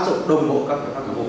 cũng như áp dụng đồng hồ các pháp cử vụ